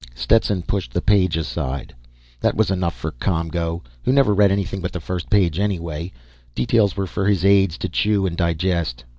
Stetson pushed the page aside. That was enough for ComGO, who never read anything but the first page anyway. Details were for his aides to chew and digest.